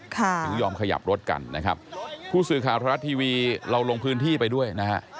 ถึงยอมขยับรถกันนะครับผู้สื่อข่าวทรัฐทีวีเราลงพื้นที่ไปด้วยนะฮะ